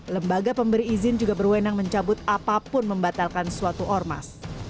lembaga pemberi izin juga berwenang mencabut apapun membatalkan suatu ormas